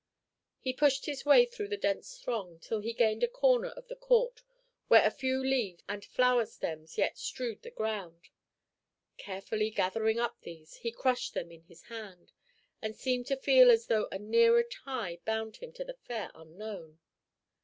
He pushed his way through the dense throng till he gained a corner of the court where a few leaves and flower stems yet strewed the ground; carefully gathering up these, he crushed them in his hand, and seemed to feel as though a nearer tie bound him to the fair unknown.